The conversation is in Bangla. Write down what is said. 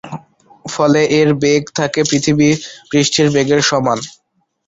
ফলে এর বেগ থাকে পৃথিবী পৃষ্ঠের বেগের সমান।